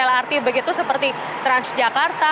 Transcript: lrt begitu seperti transjakarta